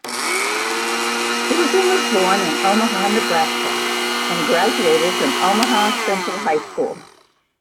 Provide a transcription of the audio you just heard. Susan was born in Omaha, Nebraska, and graduated from Omaha Central High School.